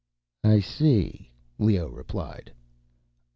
"I see," Leoh replied.